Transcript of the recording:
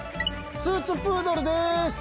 スーツプードルです。